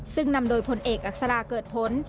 ซึ่งนำโดยพลเอกอักษราเกิดผล